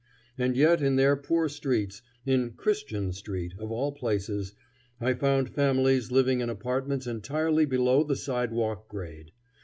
And yet in their poor streets in "Christian Street" of all places I found families living in apartments entirely below the sidewalk grade.